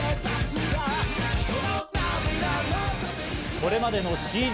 これまでのＣＤ